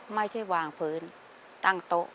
ไม่ใช่วางพื้นตั้งโต๊ะ